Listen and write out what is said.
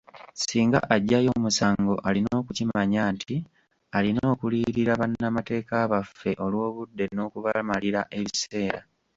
Singa aggyayo omusango alina okukimanya nti alina okuliyirira bannamateeka baffe olw’obudde n’okubamalira ebiseera.